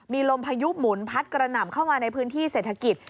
มีลมพายุหมุนพัดกระหน่ำเข้ามาในพื้นที่เศรษฐกิจ